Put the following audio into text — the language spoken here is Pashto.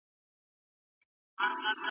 یو مسیحا باید زما په څنګ کې پاتې شي.